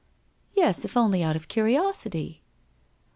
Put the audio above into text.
'' Yes, if only out of curiosity.'